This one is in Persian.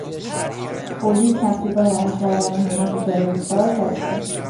پلیس مخفیگاه اسلحه و مهمات تروریستها را کشف کرد.